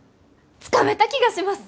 つかめた気がします！